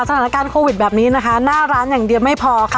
สถานการณ์โควิดแบบนี้นะคะหน้าร้านอย่างเดียวไม่พอค่ะ